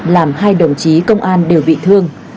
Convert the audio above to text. làm hai đồng chí công an đều bị thương